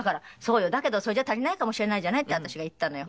「だけどそれじゃあ足りないかもしれないじゃない」って私が言ったのよ。